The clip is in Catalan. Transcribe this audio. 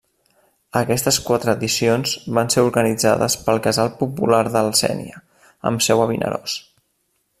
Aquestes quatre edicions van ser organitzades pel Casal Popular del Sénia, amb seu a Vinaròs.